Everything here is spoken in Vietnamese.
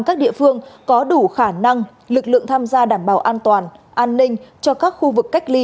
các địa phương có đủ khả năng lực lượng tham gia đảm bảo an toàn an ninh cho các khu vực cách ly